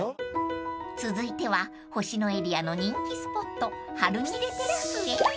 ［続いては星野エリアの人気スポットハルニレテラスへ］